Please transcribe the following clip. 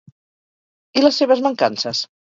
I les seves mancances?